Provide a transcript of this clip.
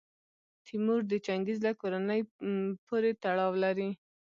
تیمور د چنګیز له کورنۍ پورې تړاو لري.